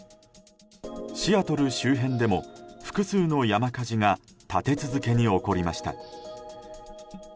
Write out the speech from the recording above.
シアトル周辺でも複数の山火事が立て続けに起こりました。